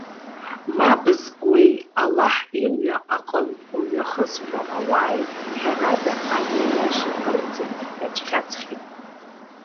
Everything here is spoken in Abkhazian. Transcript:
Мап зкуеи, Аллаҳ имҩа аҟынтә умҩахызҟьо ауааи, ҳәарада, амҩа иаша кырӡа иацәхьаҵхьеит.